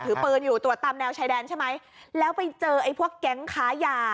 ถือปืนอยู่ตรวจตามแนวชายแดนใช่ไหมแล้วไปเจอไอ้พวกแก๊งค้ายา